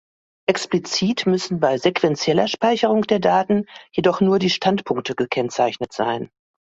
Explizit müssen bei sequentieller Speicherung der Daten jedoch nur die Standpunkte gekennzeichnet sein.